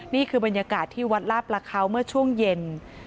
นี่คือบรรยากาศที่วัดลาประเขาเมื่อช่วงเย็น